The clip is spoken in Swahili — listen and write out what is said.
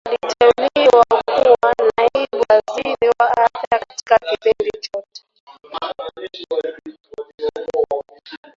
Aliteuliwa kuwa naibu waziri wa afya katika kipindi chote